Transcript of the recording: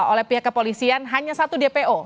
oleh pihak kepolisian hanya satu dpo